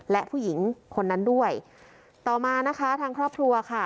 และผู้หญิงคนนั้นด้วยต่อมานะคะทางครอบครัวค่ะ